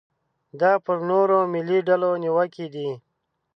دا پر نورو ملي ډلو نیوکې دي.